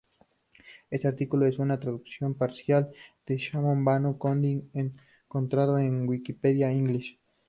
Este artículo es una traducción parcial de "Shannon-Fano coding", encontrado en Wikipedia English